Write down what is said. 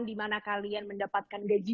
di mana kalian mendapatkan gaji